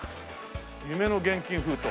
「夢の現金封筒」